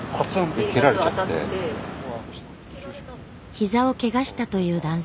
膝をケガしたという男性。